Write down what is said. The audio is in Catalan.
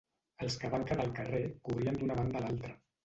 Els que van quedar al carrer corrien d'una banda a l'altra